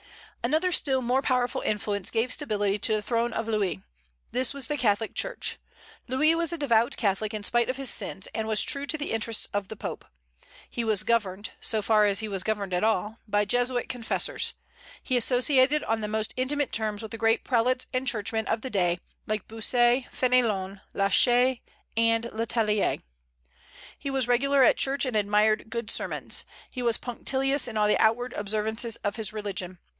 Another still more powerful influence gave stability to the throne of Louis: this was the Catholic Church. Louis was a devout Catholic in spite of his sins, and was true to the interests of the Pope. He was governed, so far as he was governed at all, by Jesuit confessors. He associated on the most intimate terms with the great prelates and churchmen of the day, like Bossuet, Fénelon, La Chaise, and Le Tellier. He was regular at church and admired good sermons; he was punctilious in all the outward observances of his religion.